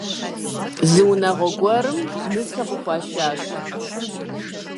Зы унагъуэ гуэрым нысэ къыхуашащ.